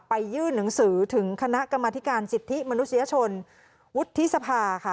ยื่นหนังสือถึงคณะกรรมธิการสิทธิมนุษยชนวุฒิสภาค่ะ